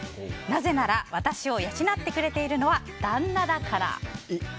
なぜなら私を養ってくれているのは旦那だから。